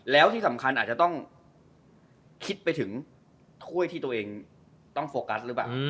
แล้วที่สำคัญอาจจะต้องคิดไปถึงถ้วยที่ตัวเองต้องโฟกัสหรือเปล่า